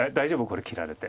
これ切られて。